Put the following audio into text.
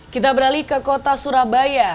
kita beralih ke kota surabaya